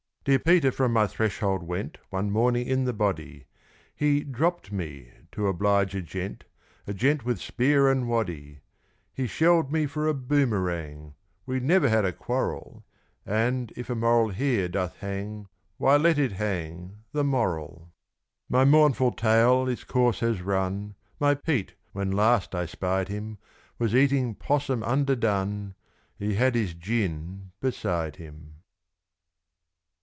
Dear Peter from my threshold went, One morning in the body: He "dropped" me, to oblige a gent A gent with spear and waddy! He shelved me for a boomerang We never had a quarrel; And, if a moral here doth hang, Why let it hang the moral! My mournful tale its course has run My Pete, when last I spied him, Was eating 'possum underdone: He had his gin beside him.